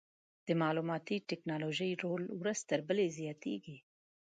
د معلوماتي ټکنالوژۍ رول ورځ تر بلې زیاتېږي.